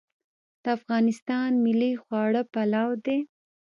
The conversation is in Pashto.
د افغانستان ملي خواړه پلاو دی